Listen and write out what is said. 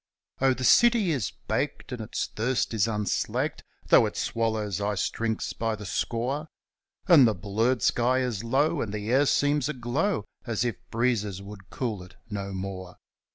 Oh. the city is baked, and our thirst is unslaked Though we swallow iced drinks by the score. And the blurred sky is low. and the air seems aglow As if breezes would cool it no more.